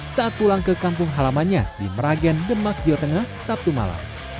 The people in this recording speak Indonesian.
saat pulang ke kampung halamannya di meragen demak jawa tengah sabtu malam